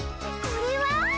これは？」。